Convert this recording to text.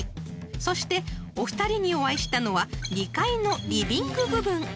［そしてお二人にお会いしたのは２階のリビング部分］